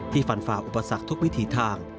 ฟันฝ่าอุปสรรคทุกวิถีทาง